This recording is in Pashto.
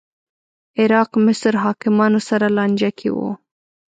عراق مصر حاکمانو سره لانجه کې و